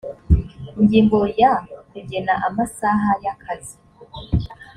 ingingo ya kugena amasaha y akazi